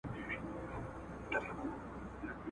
شاوخوا ټوله خالي ده بل ګلاب نه معلومیږي ..